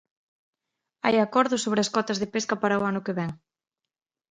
Hai acordo sobre as cotas de pesca para o ano que vén.